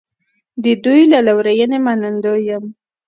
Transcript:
د دوی له لورینې منندوی یم.